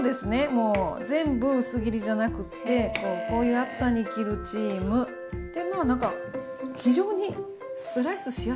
もう全部薄切りじゃなくてこうこういう厚さに切るチームでまあなんか非常にスライスしやすいかしら。